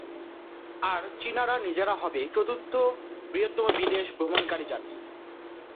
আর চীনারা নিজেরা হবে চতুর্থ বৃহত্তম বিদেশ ভ্রমণকারী জাতি।